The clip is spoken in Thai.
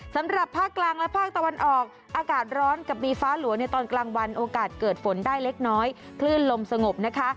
สำหรับภาคกลางและภาคตะวันออกอากาศร้อนกับมีฟ้าหลัวในตอนกลางวันโอกาสเกิดฝนได้เล็กน้อยคลื่นลมสงบนะคะ